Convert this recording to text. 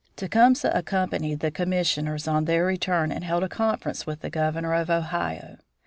Tecumseh accompanied the commissioners on their return and held a conference with the Governor of Ohio.